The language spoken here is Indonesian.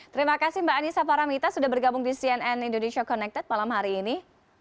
terima kasih mbak anissa paramita sudah bergabung di cnn indonesia connected malam hari ini